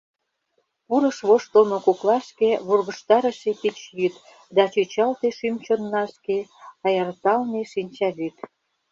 Пурыш воштылмо коклашке Вургыжтарыше пич йӱд, Да чӱчалте шӱм-чоннашке Аярталме шинчавӱд.